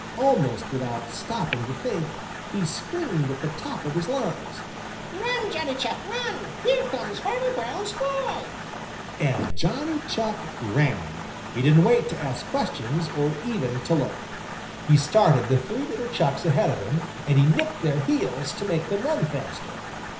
Almost without stopping to think, he screamed at the top of his lungs: "Run, Johnny Chuck, run! Here comes Farmer Brown's boy!" And Johnny Chuck ran. He didn't wait to ask questions or even to look. He started the three little Chucks ahead of him, and he nipped their heels to make them run faster.